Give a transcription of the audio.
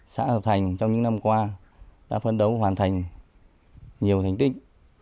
xã hợp thành trong những năm qua đã phân đấu hoàn thành nhiều thành tích